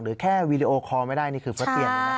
หรือแค่วีดีโอคอล์ไม่ได้นี่คือเฟิร์สเปลี่ยน